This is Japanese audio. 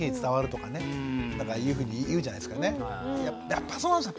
やっぱそうなんですよ。